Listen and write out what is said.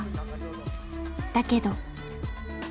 だけど。